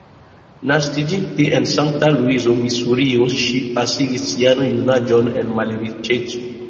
Naskiĝinte en Sankta-Luizo, Misurio, ŝi pasigis sian junaĝon en malriĉeco.